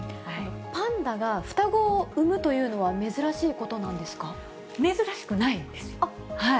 パンダが双子を産むというの珍しくないんです。